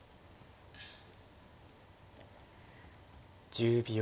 １０秒。